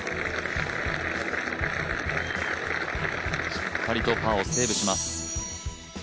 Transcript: しっかりとパーをセーブします。